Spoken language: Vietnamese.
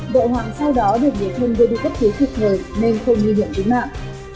bộ hoàng sau đó được biến thân với đối cấp thiết thực thời nên không nghi hiểm tính mạng